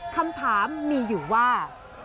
คำถามมีอยู่ว่า